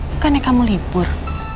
bukannya kamu libur